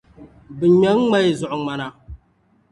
bɛ ŋme n-ŋma yi zuɣuŋmana.